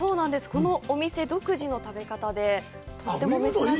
このお店独自の食べ方で、とっても珍しい。